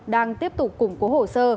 đang tiếp tục củng cố hồ sơ